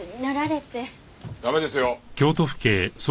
駄目ですよ。